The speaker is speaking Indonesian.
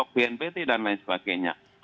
bnpt dan lain sebagainya